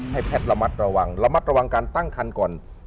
แพทย์ระมัดระวังระมัดระวังการตั้งคันก่อน